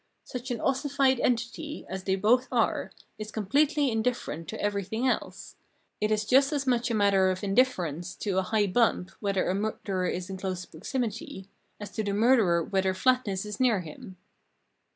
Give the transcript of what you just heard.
Such an ossified entity, as they both are, is completely indifferent to everything else. It is just as much a matter of indifference to a high bump whether a murderer is in close proximity, as to the murderer whether flatness is near him.